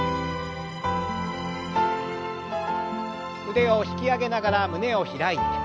腕を引き上げながら胸を開いて。